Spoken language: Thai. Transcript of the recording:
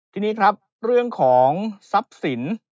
ทีนี้ครับเรื่องของทรัพย์สิน